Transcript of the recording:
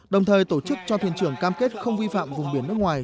đồng thời tổ chức cho thuyền trưởng cam kết không vi phạm vùng biển nước ngoài